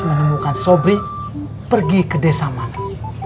menemukan sobek pergi ke desa mana